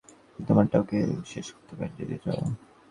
আমরা তোমার টা কেও শেষ করতে পারি যদি চাও!